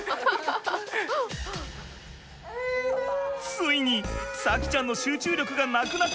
ついに咲希ちゃんの集中力がなくなってしまい